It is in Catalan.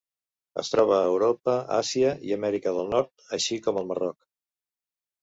Es troba a Europa, Àsia i Amèrica del Nord, així com al Marroc.